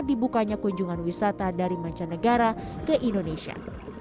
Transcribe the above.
dibukanya kunjungan wisata dari mancanegara ke indonesia